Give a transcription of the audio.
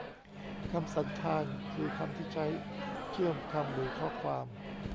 คำสันธาน คือคำที่ใช้เชื่อมคำหรือข้อความ